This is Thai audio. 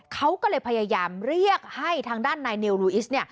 เขาก็เลยพยายามเรียกให้ทางด้านนายเนลูอิสเนี่ย